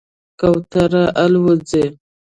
کوتره الوځي.